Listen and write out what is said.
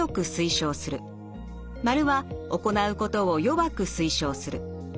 ○は行うことを弱く推奨する。